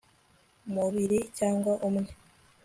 mubiri cyangwa umwe